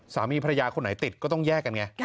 สามีภรรยาคนไหนติดก็ต้องแยกกันไง